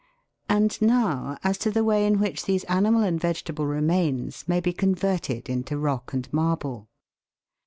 And now as to the way in which these animal and vege table remains may be converted into rock and marble.